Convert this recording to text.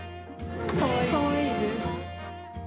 かわいいです。